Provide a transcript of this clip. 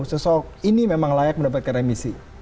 sosok ini memang layak mendapatkan remisi